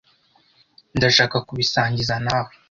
Ndashaka kubisangiza nawe.